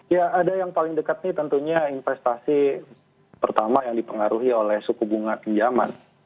ya ada yang paling dekat ini tentunya investasi pertama yang dipengaruhi oleh suku bunga pinjaman